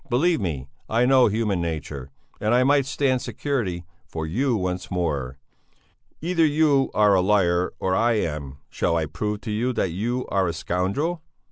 Believe me, I know human nature. And I might stand security for you once more! Either you are a liar, or I am! Shall I prove to you that you are a scoundrel?